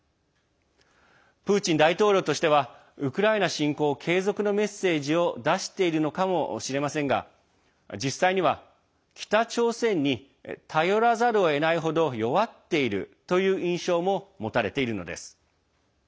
プーチン大統領としてはウクライナ侵攻継続のメッセージを出しているのかもしれませんが実際には北朝鮮に頼らざるをえない程弱っているという印象も持たれているのです。